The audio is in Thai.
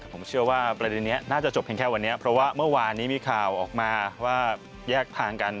ผมเชื่อว่าประเด็นนี้น่าจะจบเพียงแค่วันนี้เพราะว่าเมื่อวานนี้มีข่าวออกมาว่าแยกทางกัน